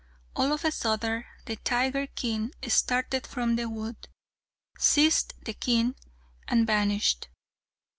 All of a sudden the tiger king started from the wood, seized the king, and vanished.